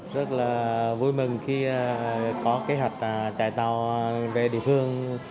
rất là vui mừng khi có kế hoạch chạy tàu về địa phương